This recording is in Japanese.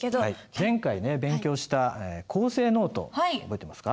前回ね勉強した構成ノート覚えてますか？